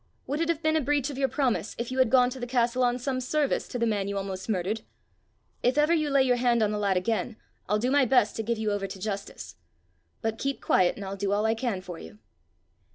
Would it have been a breach of your promise if you had gone to the castle on some service to the man you almost murdered? If ever you lay your hand on the lad again, I'll do my best to give you over to justice. But keep quiet, and I'll do all I can for you."